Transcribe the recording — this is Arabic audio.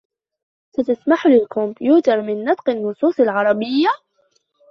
ستسمح للكمبيوتر من نطق النصوص العربية